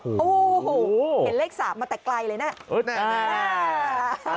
เห็นเลข๓มาแต่ไกลเลยนะ